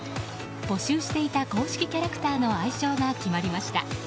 募集していた公式キャラクターの愛称が決まりました。